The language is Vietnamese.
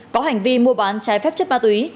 có hành vi mua bán trái phép chất ma túy